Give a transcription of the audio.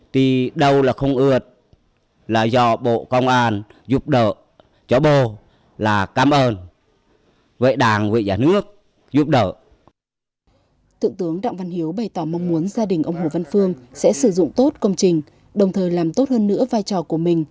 tượng tướng đặng văn hiếu bày tỏ mong muốn gia đình ông hồ văn phương sẽ sử dụng tốt công trình đồng thời làm tốt hơn nữa vai trò của mình